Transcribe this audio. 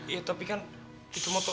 ya tapi kan itu motor